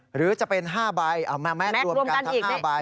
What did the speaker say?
หรือจะเป็น๕ใบเอามาแม่รวมกันทั้ง๕ใบ